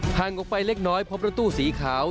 ห่างออกไปเล็กน้อยพบรถตู้สีขาว